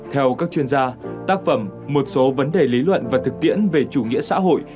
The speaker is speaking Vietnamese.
theo các chuyên gia tác phẩm một số vấn đề lý luận và thực tiễn về chủ nghĩa xã hội